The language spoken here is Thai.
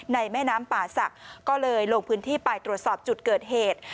แม่น้ำป่าศักดิ์ก็เลยลงพื้นที่ไปตรวจสอบจุดเกิดเหตุ